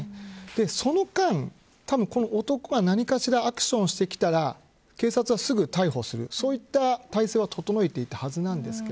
その間、たぶんこの男が何かしらアクションをしてきたら警察は、すぐ逮捕するそういった態勢を整えていたはずです。